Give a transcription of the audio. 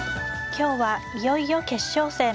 今日はいよいよ決勝戦。